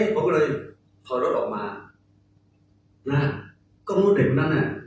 ผมก็เลยถอดรถออกมานะครับก็มูลเด็กนั้นอ่ะ